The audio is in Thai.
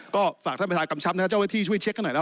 ก็ฝากท่านประชาดกำชับนะครับเจ้าวิทยาช่วยเช็คให้หน่อยนะครับ